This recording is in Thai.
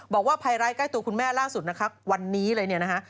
บอกว่าไพไรท์ใกล้ตัวคุณแม่ล่าสุดวันนี้เลยเนี่ยนะฮะ